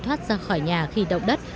thoát ra khỏi nhà khi động đất